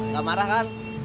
gak marah kan